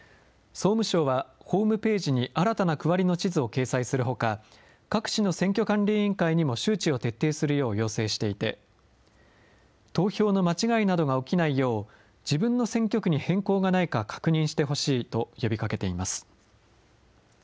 総務省はホームページに新たな区割りの地図を掲載するほか、各地の選挙管理委員会にも周知を徹底するよう要請していて、投票の間違いなどが起きないよう、自分の選挙区に変更がないか確認してほしいと呼びかけています。